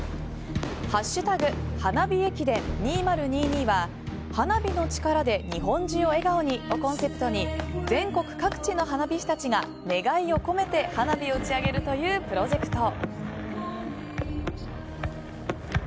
「＃花火駅伝２０２２」は「花火のチカラで日本中を笑顔に」をコンセプトに全国各地の花火師たちが願いを込めて花火を打ち上げるというプロジェクト。